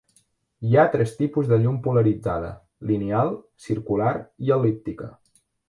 Hi ha tres tipus de llum polaritzada: lineal, circular i el·líptica.